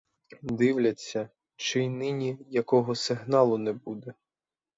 Дивляться, чи й нині якого сигналу не буде.